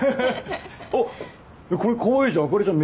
おっこれかわいいじゃん朱里ちゃん